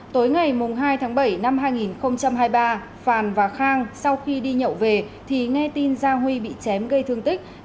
tối ngày hai tháng bảy năm hai nghìn hai mươi ba phàn và khang sau khi đi nhậu về thì nghe tin gia huy bị chém gây thương tích